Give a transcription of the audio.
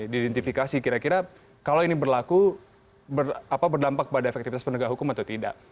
diidentifikasi kira kira kalau ini berlaku berdampak pada efektivitas penegak hukum atau tidak